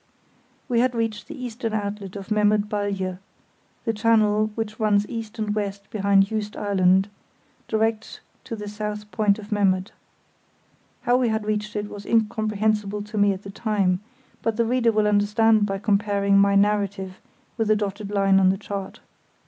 We had reached the eastern outlet of Memmert Balje, the channel which runs east and west behind Juist Island, direct to the south point of Memmert. How we had reached it was incomprehensible to me at the time, but the reader will understand by comparing my narrative with the dotted line on the chart.